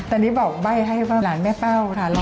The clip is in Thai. ตอนนี้บอกใบ้ให้หลานแม่เป้าค่ะ